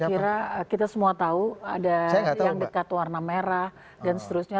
saya kira kita semua tahu ada yang dekat warna merah dan seterusnya